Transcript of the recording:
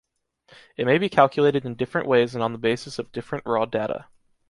It may be calculated in different ways and on the basis of different raw data.